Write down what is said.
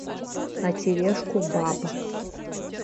На тележку баба.